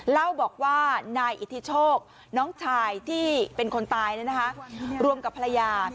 เล่าบอกว่านายอิทธิโชคน้องชายที่เป็นคนตายรวมกับภรรยา